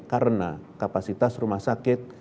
karena kapasitas rumah sakit